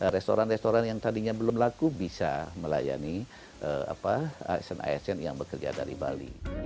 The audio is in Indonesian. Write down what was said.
restoran restoran yang tadinya belum laku bisa melayani asn asn yang bekerja dari bali